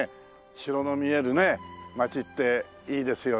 城の見えるね街っていいですよね。